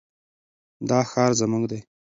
دا ښار زموږ دی.